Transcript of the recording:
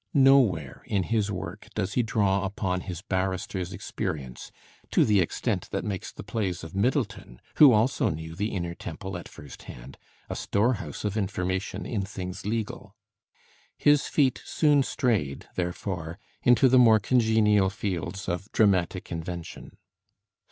Nowhere in his work does he draw upon his barrister's experience to the extent that makes the plays of Middleton, who also knew the Inner Temple at first hand, a storehouse of information in things legal. His feet soon strayed, therefore, into the more congenial fields of dramatic invention.